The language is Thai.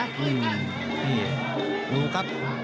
แล้วก็ดูคุณครับ